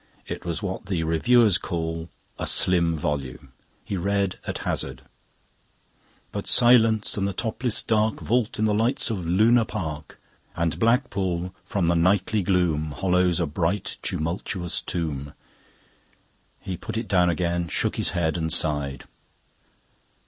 It was what the reviewers call "a slim volume." He read at hazard: "...But silence and the topless dark Vault in the lights of Luna Park; And Blackpool from the nightly gloom Hollows a bright tumultuous tomb." He put it down again, shook his head, and sighed.